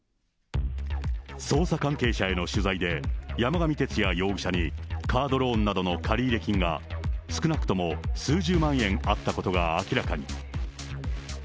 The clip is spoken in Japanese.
捜査関係者への取材で、山上徹也容疑者に、カードローンなどの借入金が少なくとも数十万円あったことが明らかに。